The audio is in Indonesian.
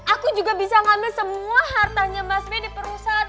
aku juga bisa ngambil semua hartanya mas ben di perusahaan